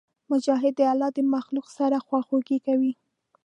مجاهد د الله د مخلوق سره خواخوږي کوي.